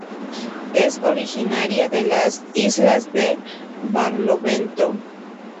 Es originaria de las Islas de Barlovento.